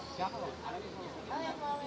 ah yang malem